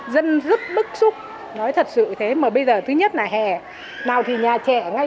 dân rất bức xúc nói thật sự thế mà bây giờ thứ nhất là hè nào thì nhà trẻ ngay